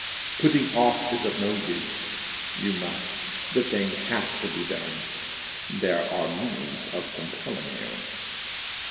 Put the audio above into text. Putting off is of no use. You must. The thing has to be done; there are means of compelling you.